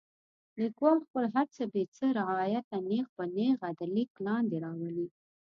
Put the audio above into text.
لیکوال خپل هر څه بې څه رعایته نیغ په نیغه د لیک لاندې راولي.